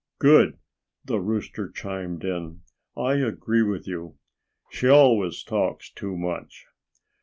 "Good!" the rooster chimed in. "I agree with you. She always talks too much."